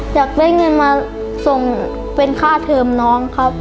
อยากได้เงินมาส่งเป็นค่าเทิมน้องครับ